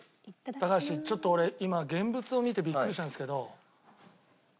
高橋ちょっと俺今現物を見てビックリしたんですけど。